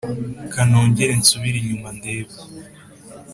kanongere nsubire inyuma ndebe